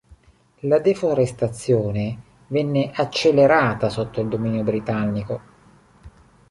La deforestazione venne accelerata sotto il dominio britannico.